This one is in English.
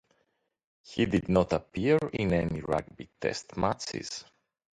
He did not appear in any rugby Test matches.